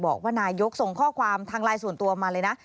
บอกว่านายกส่งข้อความทางไลน์ส่วนตัวมาเลยนะ